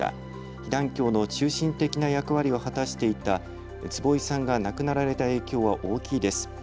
被団協の中心的な役割を果たしていた坪井さんが亡くなられた影響は大きいです。